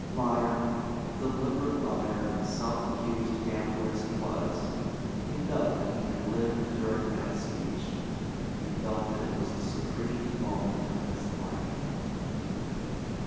Liar, deliberate liar and self accused gambler as he was, he felt that he had lived during that speech; he felt that it was the supreme moment of his life.